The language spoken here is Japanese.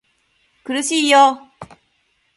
苦しいよ